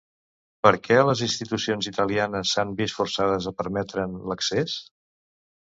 Per què les institucions italianes s'han vist forçades a permetre'n l'accés?